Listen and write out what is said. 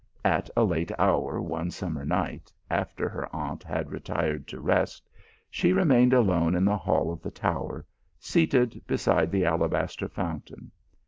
/At a late hour one midsummer night, after her aunt had retired to rest, she remained alone in the hall of the tower, seated beside the alabaster founta.n.